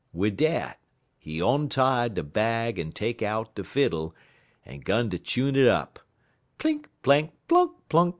Wid dat he ontie de bag en take out de fiddle, en 'gun ter chune 'er up _plink, plank, plunk, plink!